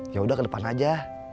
ya udah ke depan aja